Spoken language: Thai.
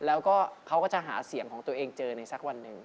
แล้วก็เขาก็จะหาเสียงของตัวเองเจอในสักวันหนึ่ง